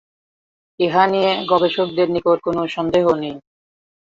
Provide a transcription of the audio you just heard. ইহা নিয়ে গবেষকদের নিকট কোনো সন্দেহ নেই।